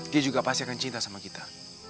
dia juga pasti akan cinta sama kita